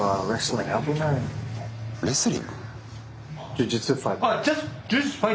レスリング？